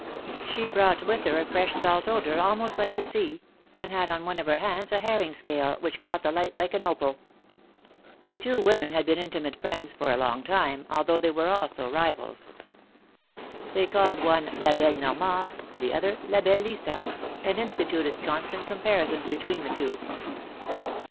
She brought with her a fresh salt odor, almost like the sea, and had on one of her hands a herring scale, which caught the light like an opal. The two women had been intimate friends for a long time, although they were also rivals. They called one la belle Norraande," the other 'Ga belle Lisa," and instituted constant comparisons between the two.